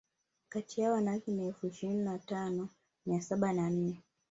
Kati yao wanawake ni elfu ishirini na tano mia saba na nne